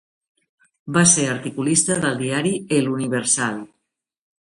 Va ser articulista del diari El Universal.